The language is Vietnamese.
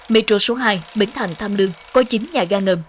miro số hai bến thành tham lương coi chính nhà ga ngầm